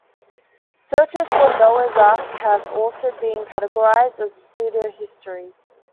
Searches for Noah's Ark have also been categorized as pseudohistory.